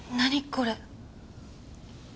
これ。